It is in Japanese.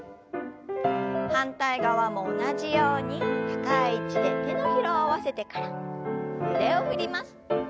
反対側も同じように高い位置で手のひらを合わせてから腕を振ります。